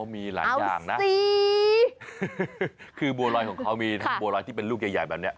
มีหลายอย่างนะสีคือบัวรอยของเขามีทั้งบัวรอยที่เป็นลูกใหญ่แบบนี้